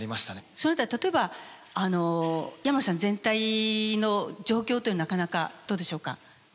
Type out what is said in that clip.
その辺り例えば山野さん全体の状況というのはなかなかどうでしょうか。